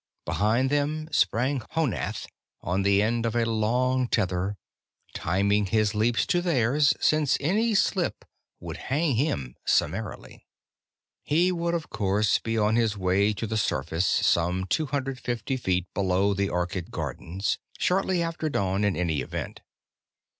Behind them sprang Honath on the end of a long tether, timing his leaps by theirs, since any slip would hang him summarily. He would of course be on his way to the surface, some 250 feet below the orchid gardens, shortly after dawn in any event.